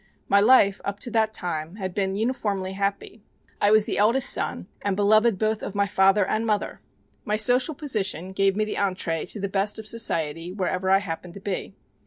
My life up to that time had been uniformly happy; I was the eldest son and beloved both of my father and mother. My social position gave me the entrée to the best of society wherever I happened to be.